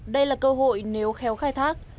đây là cơ hội nếu khéo khai thác